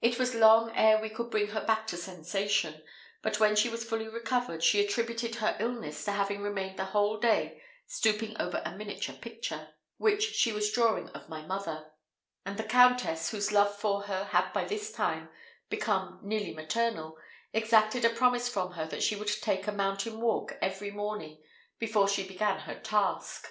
It was long ere we could bring her back to sensation; but when she was fully recovered, she attributed her illness to having remained the whole day stooping over a miniature picture, which she was drawing of my mother; and the Countess, whose love for her had by this time become nearly maternal, exacted a promise from her that she would take a mountain walk every morning before she began her task.